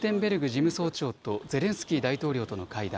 事務総長とゼレンスキー大統領との会談。